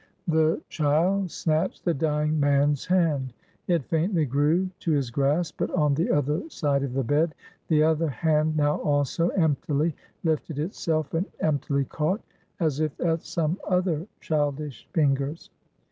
The child snatched the dying man's hand; it faintly grew to his grasp; but on the other side of the bed, the other hand now also emptily lifted itself and emptily caught, as if at some other childish fingers.